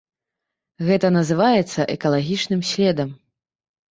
Гэта называецца экалагічным следам.